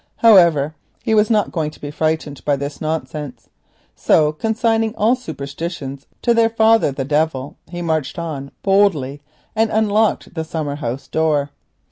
However, he was not going to be frightened by this nonsense, so consigning all superstitions to their father the Devil, he marched on boldly and unlocked the summer house door.